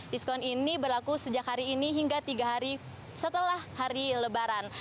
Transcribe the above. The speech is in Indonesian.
diskon ini berlaku sejak hari ini hingga tiga hari setelah hari lebaran